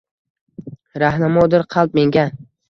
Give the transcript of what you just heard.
Rahnamodir qalb menga.